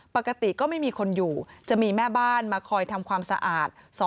ปกติก็ไม่มีคนอยู่จะมีแม่บ้านมาคอยทำความสะอาด